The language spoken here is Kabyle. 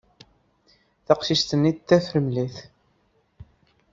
Taqcict-nni d tafremlit.